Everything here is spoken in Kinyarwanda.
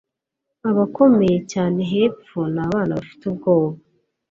Abakomeye cyane hepfo ni abana bafite ubwoba